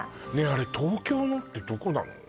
あれ東京のってどこなの？